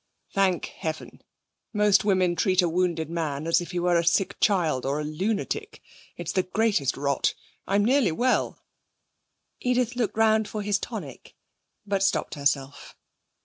'Thank heaven! Most women treat a wounded man as if he were a sick child or a lunatic. It's the greatest rot. I'm nearly well.' Edith looked round for his tonic, but stopped herself.